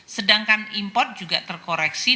sedangkan import juga terkoreksi